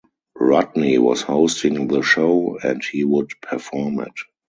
Rodney was hosting the show, and he would perform it.